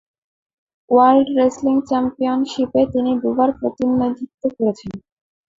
World wrestling চ্যাম্পিয়নশিপে তিনি দু'বার প্রতিনিধিত্ব করেন।